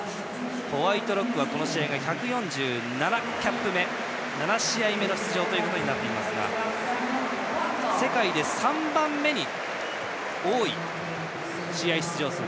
ホワイトロックはこの試合が１４７キャップ目の出場ですが世界で３番目に多い試合出場数。